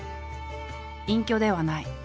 隠居ではない。